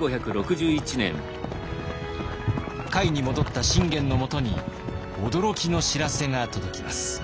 甲斐に戻った信玄のもとに驚きの知らせが届きます。